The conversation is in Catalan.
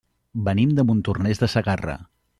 Venim de Montornès de Segarra.